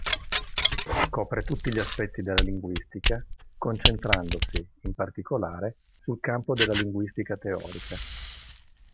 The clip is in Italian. Copre tutti gli aspetti della linguistica, concentrandosi, in particolare, sul campo della linguistica teorica.